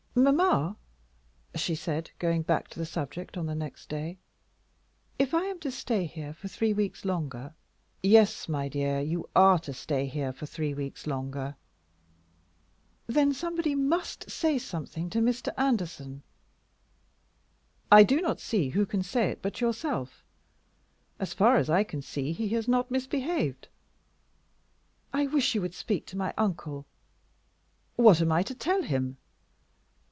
"Mamma," she said, going back to the subject on the next day, "if I am to stay here for three weeks longer " "Yes, my dear, you are to stay here for three weeks longer." "Then somebody must say something to Mr. Anderson." "I do not see who can say it but you yourself. As far as I can see, he has not misbehaved." "I wish you would speak to my uncle." "What am I to tell him?"